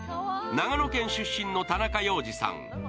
長野県出身の田中要次さん